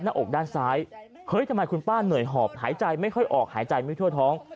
หน้าอกด้านซ้ายเฮ้ยทำไมคุณป้าเหนื่อยหอบหายใจไม่ค่อยออกหายใจไม่ทั่วท้อง